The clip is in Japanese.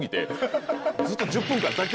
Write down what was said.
ずっと。